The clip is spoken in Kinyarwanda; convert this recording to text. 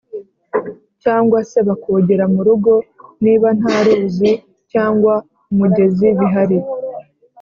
cyangwa se bakogera mu rugo niba nta ruzi cyangwa umugezi bihari